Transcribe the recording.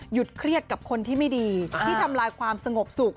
เครียดกับคนที่ไม่ดีที่ทำลายความสงบสุข